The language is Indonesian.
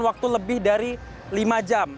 waktu lebih dari lima jam